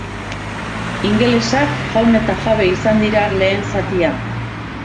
Ingelesak jaun eta jabe izan dira lehen zatian.